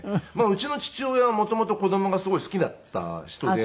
うちの父親は元々子供がすごい好きだった人で。